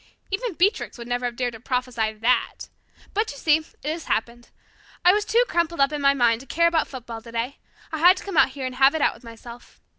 Even Beatrix would never have dared to prophesy that. But you see it has happened. I was too crumpled up in my mind to care about football today. I had to come here and have it out with myself.